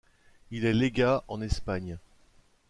Il est légat en Espagne.